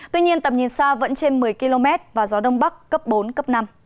tuy nhiên tầm nhìn xa vẫn trên một mươi km và gió đông bắc cấp bốn cấp năm